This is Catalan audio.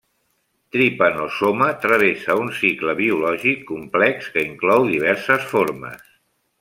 Tripanosoma travessa un cicle biològic complex que inclou diverses formes.